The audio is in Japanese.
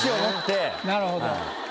なるほど。